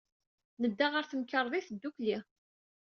Nedda ɣer temkarḍit ddukkli.